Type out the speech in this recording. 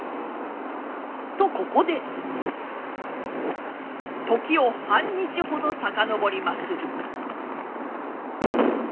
とここで時を半日ほど遡りまする。